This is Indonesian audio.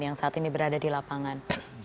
yang saat ini berada di lapangan